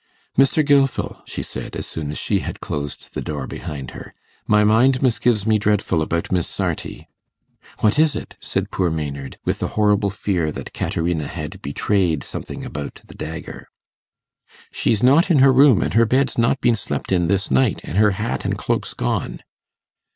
'Mr. Gilfil,' she said, as soon as she had closed the door behind her, 'my mind misgives me dreadful about Miss Sarti.' 'What is it?' said poor Maynard, with a horrible fear that Caterina had betrayed something about the dagger. 'She's not in her room, an' her bed's not been slept in this night, an' her hat an' cloak's gone.